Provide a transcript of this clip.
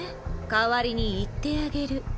代わりに言ってあげる。